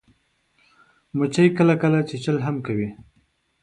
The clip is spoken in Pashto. مچمچۍ کله کله چیچل هم کوي